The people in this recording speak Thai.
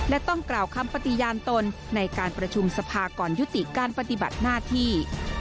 และต้องกล่าวคำปฏิญาณตนในการประชุมสภาก่อนยุติการปฏิบัติหน้าที่